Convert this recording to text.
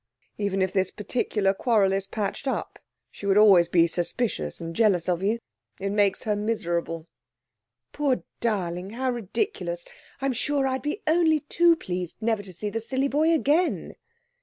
'Even if this particular quarrel is patched up, she would always be suspicious and jealous of you. It makes her miserable.' 'Poor darling, how ridiculous! I'm sure I'd be only too pleased never to see the silly boy again.'